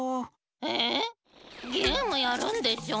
えっゲームやるんでしょ？